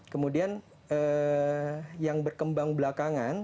kemudian yang berkembang belakangan